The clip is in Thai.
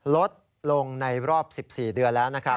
ลดลงในรอบ๑๔เดือนแล้วนะครับ